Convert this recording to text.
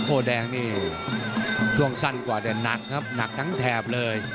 แดงนี่ช่วงสั้นกว่าแต่หนักครับหนักทั้งแถบเลย